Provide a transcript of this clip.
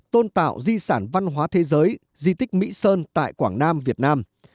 tôn tạo di sản văn hóa thế giới di tích mỹ sơn tại quảng nam việt nam